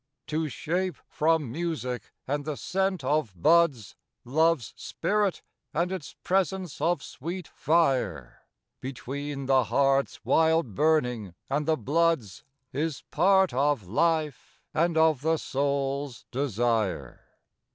To shape from music and the scent of buds Love's spirit and its presence of sweet fire, Between the heart's wild burning and the blood's, Is part of life and of the soul's desire.